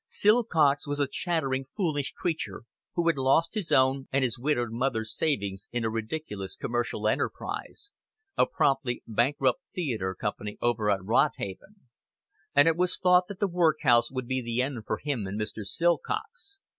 Silcox was a chattering foolish creature who had lost his own and his widowed mother's savings in a ridiculous commercial enterprise a promptly bankrupt theater company over at Rodhaven and it was thought that the workhouse would be the end for him and Mrs. Silcox.